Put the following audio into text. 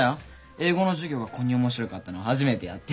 英語の授業がこんに面白かったの初めてやって。